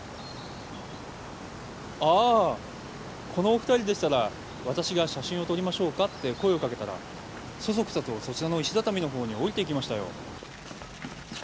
ああこのお２人でしたら私が写真を撮りましょうかって声をかけたらそそくさとそちらの石畳のほうに下りて行きましたよ。